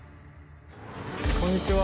こんにちは。